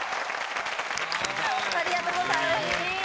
ありがとうございます。